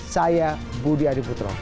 saya budi adiputro